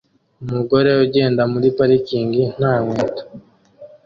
Umugore ugenda muri parikingi nta nkweto